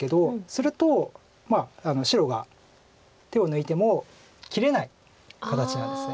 すると白が手を抜いても切れない形なんです。